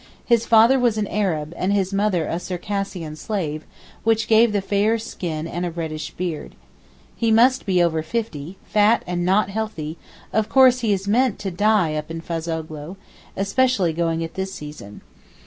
His father was an Arab, and his mother a Circassian slave, which gave the fair skin and reddish beard. He must be over fifty, fat and not healthy; of course he is meant to die up in Fazoghlou, especially going at this season.